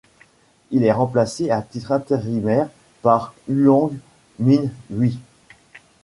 Il est remplacé à titre intérimaire par Huang Min-hui.